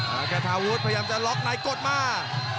อ่าขนาวุฒิพยายามจะล็อกไหนกดมา